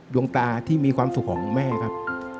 ดวงตาที่มีความสุขของแม่ครับ